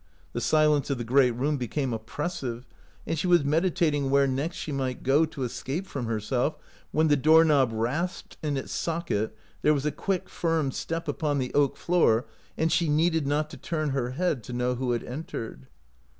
The silence of the great room became oppressive, and she was meditating where next she might go to escape from herself, when the door knob rasped in its socket, there was a quick, firm step upon the oak floor, and she needed not to turn her head to know who had entered.